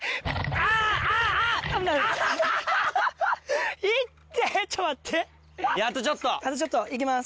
あとちょっと行きます。